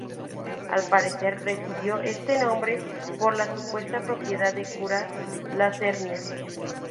Al parecer, recibió este nombre por la supuesta propiedad de curar las hernias.